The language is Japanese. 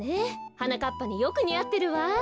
はなかっぱによくにあってるわ。